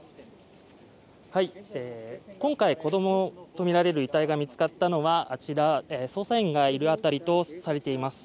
今回子供とみられる遺体が見つかったのは、あちら、捜査員がいる辺りとされています。